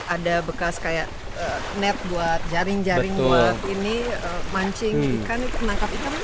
ada bekas kayak net buat jaring jaring buat ini mancing ikan menangkap ikan